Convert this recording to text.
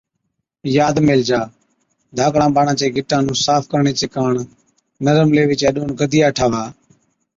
ياد ميهلجا، ڌاڪڙان ٻاڙان چي گِٽان نُون صاف ڪرڻي چي ڪاڻ نرم ليوي ڏون گدِيا ٺاهوا